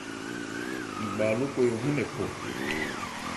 Ngbawa lókɔn ehɔ́n nkɛ phɔ.